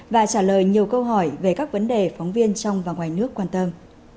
và trả lời nhiều câu hỏi về các vấn đề phóng viên trong và ngoài nước quan tâm